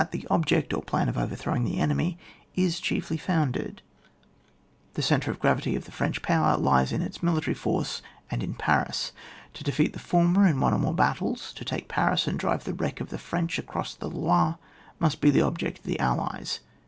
IX.] PLAN OF WAR FOR BE8TRUCTI0N OF TEE ENEMY. 91 The centre of gravity of the* French power lies in its military force and in Paris. To defeat the former in one or more battles, to take Paris and drive the wreck of the French across the Loire, must be the object of the allies.